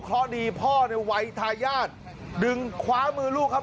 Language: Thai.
เพราะดีพ่อในวัยทายาทดึงคว้ามือลูกครับ